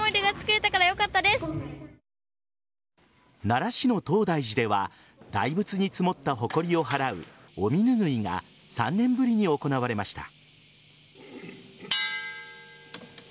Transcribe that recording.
奈良市の東大寺では大仏に積もったほこりを払うお身拭いが３年ぶりに行われました。